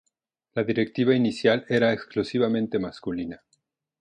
La directiva inicial era exclusivamente masculina.